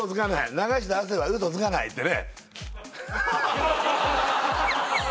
流した汗は嘘つかないってね